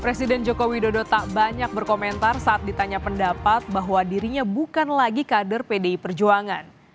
presiden jokowi dodo tak banyak berkomentar saat ditanya pendapat bahwa dirinya bukan lagi kader pdi perjuangan